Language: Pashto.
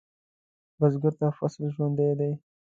بزګر ته فصل ژوند دی